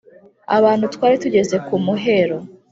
abantu twari tugeze ku muhero